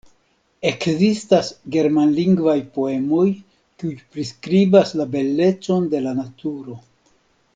Ekzistas germanlingvaj poemoj, kiuj priskribas la belecon de la naturo.